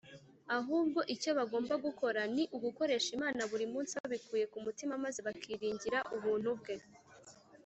ahubwo icyo bagombaga gukora ni ugukorera imana buri munsi babikuye ku mutima, maze bakiringira ubuntu bwe